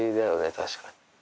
確かに。